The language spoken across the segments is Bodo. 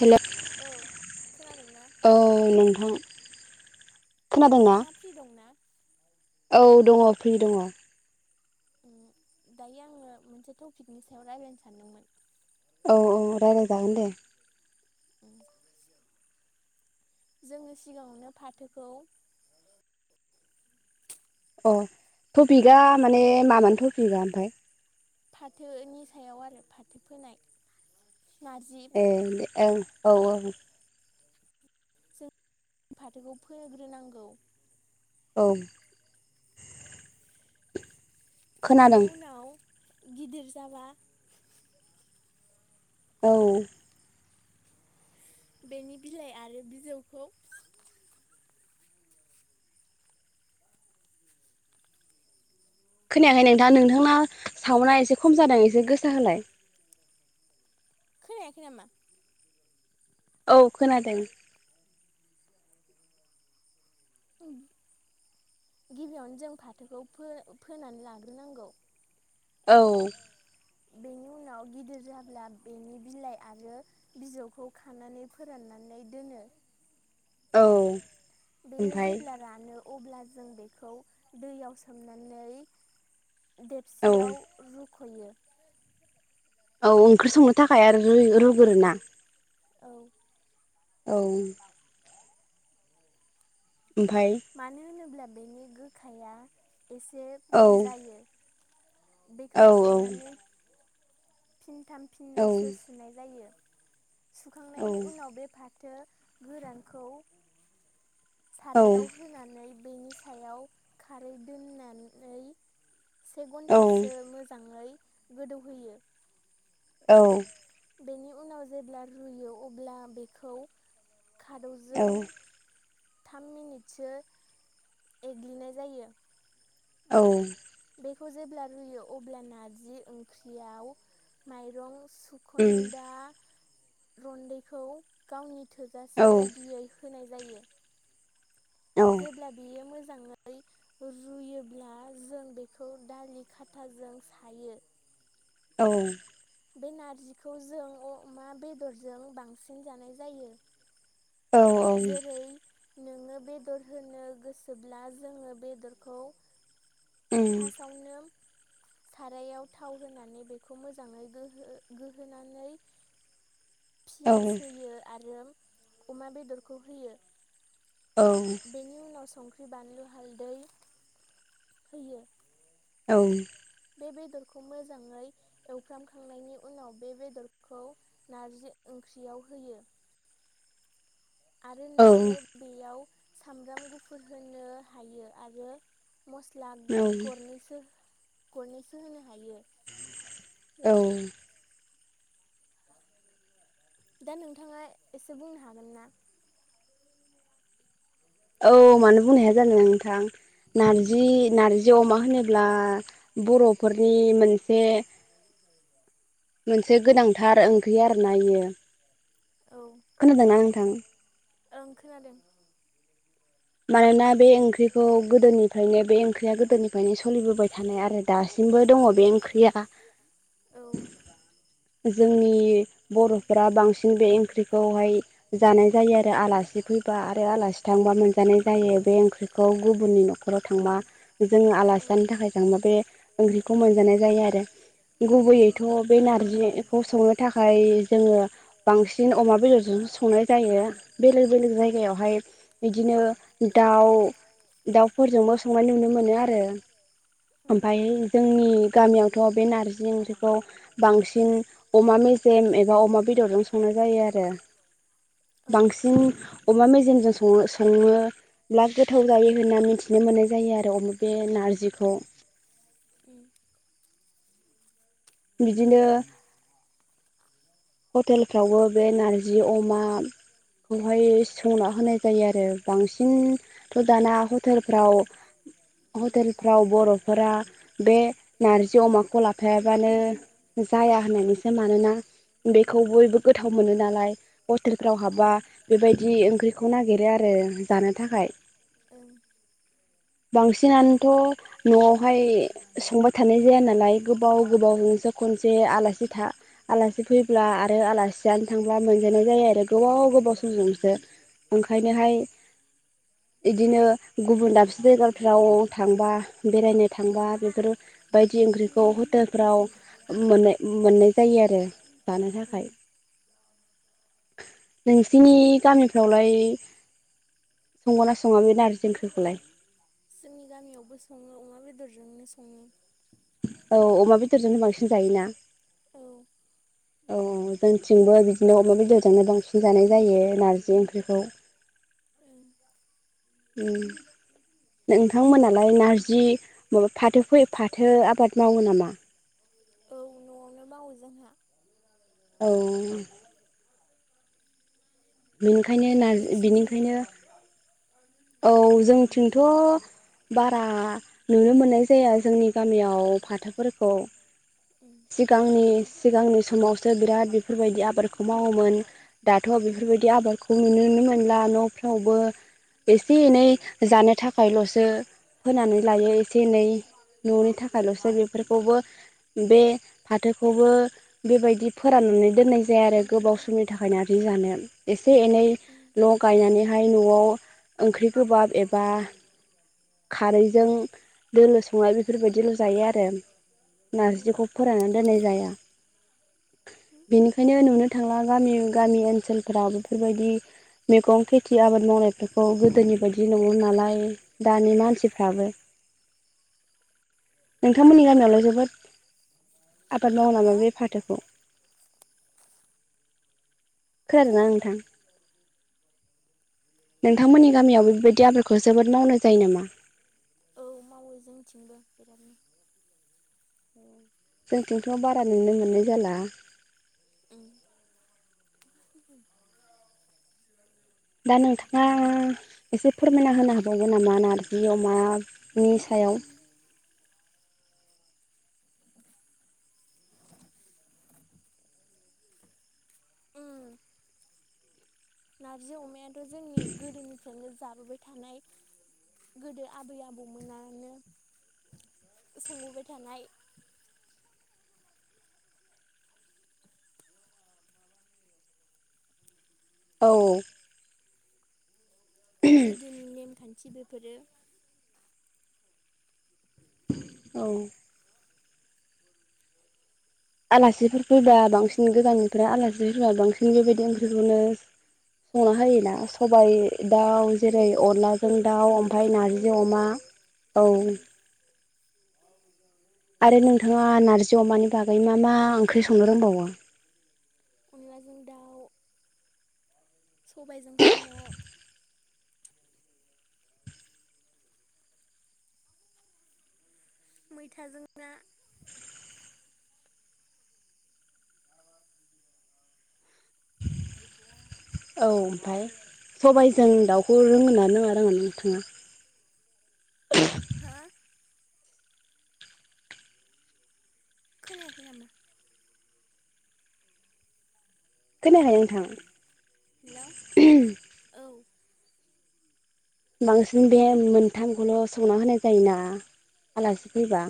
हेल' औ खोनादोंना औ नोंथां खोनादों ना नोंथाङा फ्रि दंना? औ दङ फ्रि दङ दायो आङो मोनसे टपिकनि सायाव रायलायनो सानदोंमोन औ औ रायलायजागोन दे उम जोङो सिगाङावनो फाथोखौ अ टपिकआ माने मामोन टपिकआ ओमफाय फाथोनि सायाव आरो फाथो फोनाय नारजि ए दे ओं औ औ जों फाथोखौ फोग्रोनांगौ ओं बिनि उनाव गिदिर जाबा औ बेनि बिलाइ आरो बिजौखौ खोनायाखै नोंथां नोंथांना सावुना एसे खम जादों एसे गोसा होलाय खोनायाखै नामा औ खोनादों [unintelligible] गिबियावनो जों फाथोखौ फो फोनानै लाग्रोनांगौ औ बेनि उनाव गिदिर जाब्ला बेनि बिलाइ आरो बिजौखौ खानानै फोराननानै दोनो [inaudible] औ बेयो ओमफ्राय जेब्ला रानो अब्ला जों बेखौ दैयाव सोमनानै औ देबसियाव रुख'यो औ ओंख्रि संनो थाखाय आरो रूयो रुगोरो ना औ औ नों ओमफ्राय मानो होनोब्ला बेनि गोखाया एसे औ खम जायो बेखौ औ खांनानै फिनथाम औ फिनैसो सुनाय जायो सुखांनायनि उनाव बे फाथो गोरानखौ औ नै बेनि सायाव खारै दोननानै से घन्टासो मोजाङै गोदौहोयो औ बेनि उनाव जेब्ला रुयो अब्ला बेखौ खादौजों थाम मिनिटसो एग्लिनाय जायो औ बेखौ जेब्ला रुयो अब्ला नारजि ओंख्रियाव माइरं औ सुखन्दा रन्दैखौ गावनि थोजासे बायदियै होनाय जायो औ जेब्ला बियो मोजाङै रुयोब्ला जों बेखौ दालि खाथाजों सायो औ बे नारजिखौ जों अमा बेदरजों बांसिन जानाय जायो औ जेरै नोङो बेदर होनो गोसोब्ला जोङो बेदरखौ उम फासावनो सारायाव थाव होनानै बेखौ मोजाङै गोहो गोहोनानै औ पियास होयो आरो अमा बेदरखौ होयो बेनि उनाव संख्रि बानलु हालदै होयो औ बे बेदरखौ मोजाङै एवफ्रामखांनायनि उनाव बे बेदरखौ नारजि ओंख्रियाव होयो आरो नोङो बेयाव सामब्राम गुफुर होनो हायो आरो मस्ला गरनैसो गरनैसो होनो हायो औ दा नोंथाङा एसे बुंनो हागोन ना? औ मानो बुंनाया ज जादों ना नोंथां नारजि नारजि अमा होनोब्ला बर'फोरनि मोनसे मोनसे गोनांथार ओंख्रि आरो ना इयो औ खोनादोंना नोंथां ओं खोनादों मानोना बे ओंख्रि खौ गोदोनिफ्रायनो बे ओंख्रिया गोदोनिफ्रायनो सलिबोबाय थानाय आरो दासिमबो दङ बे ओंख्रिया [inaudible] जोंनि बर'फोरा बांसिन बे ओंख्रिखौहाय जानाय जायो आरो आलासि फैबा आरो आलासि थांबा मोनसे जायो बे ओंख्रिखौ गुबुननि न'खाव थांबा जोङो आलासि जानो थाखाय औ। थांबा बे खौ मोनजानाय जायो आरो गुबैयैथ' बे नारजिखौ संनो थाखाय जोङो बांसिन अमा बेदरजों संनाय जायो बेलेग बेलेग जायगायावहाय बिदिनो दाउ दाउफोरजोंबो संनाय नुनो मोनो आरो ओमफाय जोंनि गामियावथ' बे नारजि ओंख्रिखौ बांसिन अमा मे जेम एबा अमा बेदरजों संनाय जायो आरो बांसिन अमा मेजेमजों सङो-सङो लाब गोथाव जायो होनना मिथिनो मोननाय जायो आरो अम बे नारजिखौ [unintelligible] बिदिनो हटेलफ्रावबो बे नारजि अमा खौहाय संना होनाय जायो आरो बांसिनथ' दाना हटेलफ्राव हटेलफ्राव बर'फोरा बे नारजि अमाखौ लाफायाबानो जाया होननानैसो मानोना बेखौ बयबो गोथाव मोनो नालाय हटेलफ्राव हाबबा बेबायदि ओंख्रिखौ नागिरो आरो आरो जानो थाखाय बांसिन नानोथ' न'आवहाय संबाय थानाय जाया नालाय गोबाव गोबावजोंसो खनसे आलासि था आलासि फैब्ला आरो आलासि जानो थांब्ला मोनजानाय जायो आरो गोबाव गोबाव समजोंसो ओंखायनोहाय बिदिनो गुबुन दाबसे जायगाफ्राव थांबा बेरायनो थांबा बेफोरो बायदि ओंख्रिखौ हटेलफ्राव मोन मोननाय जायो आरो जानो थाखाय नोंसिनि गामिफ्रावलाय सङोना सङा बे नारजि ओंख्रिखौलाय जोंनि गामियावबो सङो अमा बेदरजोंनो सङो औ अमा बेदरजोंनो बांसिन जायोना औ औ औ जोंथिंबो बिदिनो अमा बेदरजोंनो बांसिन जानाय जायो नारजि ओंख्रिखौ उ नोंथांमोनालाय नारजि फाथो फाथो आबाद मावो नामा? औ न'आवनो मावो जोंहा औ बेनिखायनो नारजि बिनिखायनो नोंसिनिथिंलायलाय औ जोंथिंथ' बारा नुनो मोननाय जाया जोंनि गामियाव फाथोफोरखौ सिगांनि सिगांनि समावसो बिराद बेफोरबायदि आबादखौ मावो मोन दाथ' बेफोरबायदि आबादखौ नुनो मोनला न'फ्रावबो एसे एनै जानो थाखायल'सो होनानै लायो एसे एनै न'नि थाखायल'सो बेफोरखौबो बे फाथो खौबो बेबायदि फोराननानै दोननाय जाया आरो गोबाव समनि थाखाय नारजि जानो एसे एनै ल' गायनानैहाय न'आव ओंख्रि गोबाब एबा खारैजों दोलो संनाय बेफोरबायदिल' जायो आरो नारजिखौ फोराननानै दोननाय जाया बेनिखायनो नुनो थांला गामि गामि ओनसोलफोराव बेफोरबायदि मैगं खिथि आबाद मावनायफोर औ गोदोनि बायदि नंला नालाय दानि मानसिफ्राबो नोंथांमोननि गामियावलाय जोबोद आबाद मावो हो नामा बे फाथोखौ खोनादोंना खोनायाखै नोंथां नोंथांमोननि गामियाव बेबायदि बिदि आबादखौ जोबोद मावनाय जायो नामा? औ मावो [inaudible] जोंथिंथ' बारा नुनो मोननाय जाला उम दा नोंथाङा एसे फोरमायना होनो हाबावगोन नामा नारजि अमानि साय याव [inaudible] उ नारजि अमायाथ' जोंनि गोदोनिफ्रायनो जाबोबाय थानाय गोदो आबै आबौमोनानो संबोबाय थानाय औ गोदोनि नेम खानथि बेफोरो औ आलासिफोर फैबा बांसिन गोजां बोथोराव आलासिफोर फैबा बांसिन बेबायदि ओंख्रिखौनो संना होयोना सबाइ दाउ औ जेरै अनला दाउ ओमफ्राय अनलाजों दाउ नारजि अमा औ उम आरो नोंथाङा नारजि अमानि बागै मा मा ओंख्रि संनो रोंबावो अनलाजों दाउ सबायजों साम' मैथाजों ना औ ओमफ्राय सबायाइजों दाउखौ रोङोना [unintelligible] नङा रोङा नोंथाङा हा खोनायाखै नामा खोनायाहाय नोंथां हेल' औ बांसिन बे मोनथामखौल' संना होनाय जायोना आलासि फैबा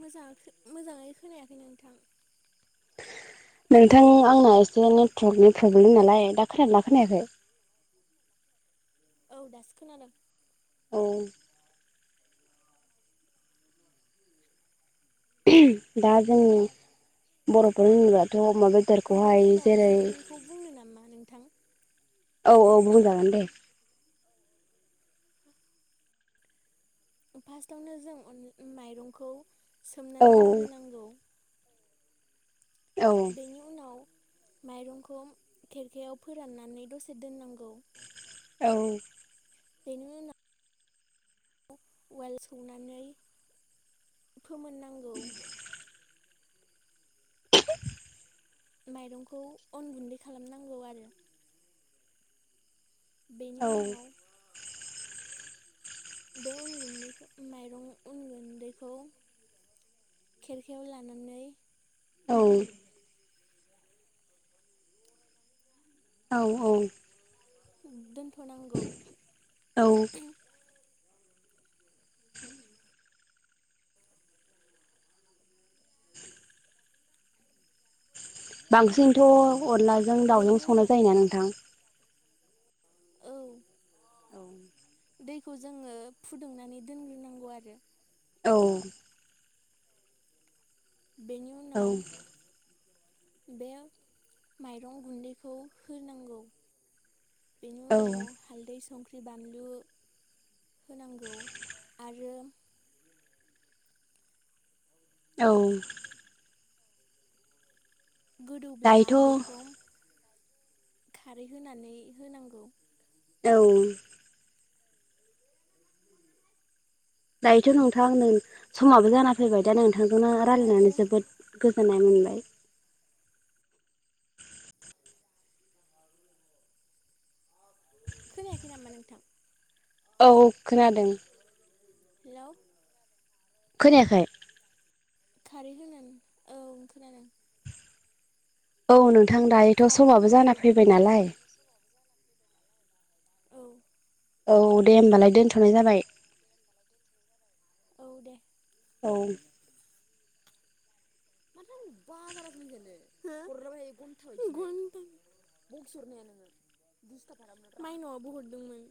मोजा मोजाङै खोनायाखै नोंथां [unintelligible] नोंथां आंना एसे नेटवरकनि प्रब्लेम नालाय दा खोनादोंना खोनायाखै औ दासो खोनदों औ दा जोंनि बर'फोर होनोबाथ' बेदरखौहाय अनलाजों जेरै दाउजोंनिखौ बुंनो नामा नोंथां औ औ बुंजागोन दे फार्स्टआवनो जों माइरंखौ औ सोमनानै दोनग्रोनांगौ औ बेनि उनाव माइरंखौ खेरखायाव फोराननानै दसे दोननांगौ औ बेनि ना उआल सौनानै फोमोना माइरंखौ अन गुन्दै खालामनांगौ आरो बेनि औ उनाव बे अन गुन्दैखौ माइरं उन गुन्दैखौ खेरखायाव लानानै औ औ औ दोनथ'नांगौ औ उ [unintelligible] बांसिनथ' अनलाजों दाउजों बेनि संनाय उनाव जायोना नोंथां औ औ दैखौ जोङो फुदुंनानै दोनग्रोनांगौ आरो औ बे औ बे माइरं गुन्दैखौ होनांगौ बेनि उनाव हाल्दै संख्रि ख्रि बानलु होनांगौ आरो औ गोदौब्ला दायोथ' बेखौ खारै होनानै होनांगौ औ दायोथ' नोंथां नै समाबो जाना फैबाय दा नोंथांजोंनो आरो रायलायनानै जोबोद गोजोननाय मोनबाय खोनायाखै नामा नोंथां औ खोनादों हेल' खोनायाखै खारै होनानै औ खोनादों औ नोंथां दायोथ' खारै समाबो होनांगौ जाना बेनि फैबाय उनाव नालाय औ औ दे होमबालाय दोनथ'नाय जाबाय औ दे औ [unintelligible] बाजारासो मानसियानो हो हरलाबाय थायो घन्टा बायदि घन्टा बकि हरनो हाया नोङो दिसथाब खालामनायखौ मायनावआबो हरदोंमोन